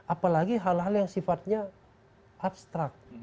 apalagi hal hal yang sifatnya abstrak